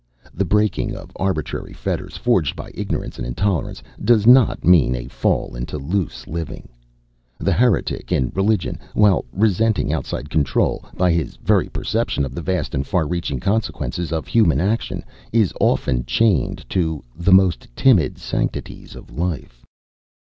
The breaking of arbitrary fetters, forged by ignorance and intolerance, does not mean a fall into loose living. The heretic in religion, while resenting outside control, by his very perception of the vast and far reaching consequences of human action, is often chained to "the most timid sanctities of life."